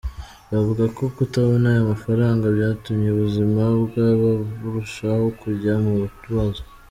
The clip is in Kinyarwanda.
Bavuga ko kutabona aya mafaranga byatumye ubuzima bwabo burushaho kujya mu bibazo.